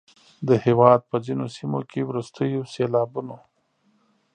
د هیواد په ځینو سیمو کې وروستیو سیلابونو